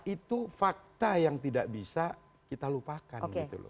itu fakta yang tidak bisa kita lupakan gitu loh